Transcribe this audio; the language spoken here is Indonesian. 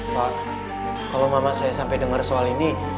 pak kalau mama saya sampai dengar soal ini